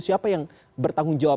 siapa yang bertanggung jawab